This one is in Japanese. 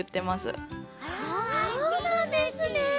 あそうなんですね。